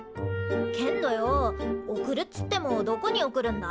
けんどよ送るっつってもどこに送るんだ？